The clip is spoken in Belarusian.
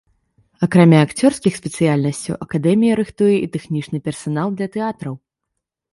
Акрамя акцёрскіх спецыяльнасцяў акадэмія рыхтуе і тэхнічны персанал для тэатраў.